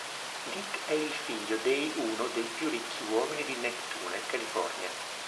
Dick è il figlio dei uno dei più ricchi uomini di Neptune, California.